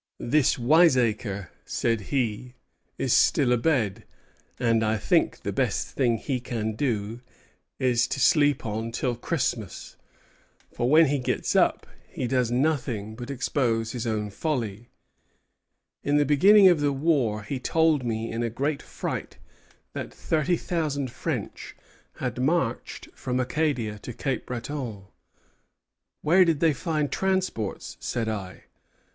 'This wiseacre,' said he, 'is still abed; and I think the best thing he can do is to sleep on till Christmas; for when he gets up he does nothing but expose his own folly. In the beginning of the war he told me in a great fright that thirty thousand French had marched from Acadia to Cape Breton. Where did they find transports? said I.